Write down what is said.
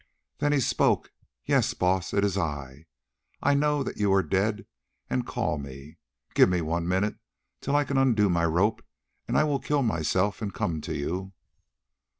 Then he spoke. "Yes, Baas, it is I. I know that you are dead and call me. Give me one minute till I can undo my rope, and I will kill myself and come to you."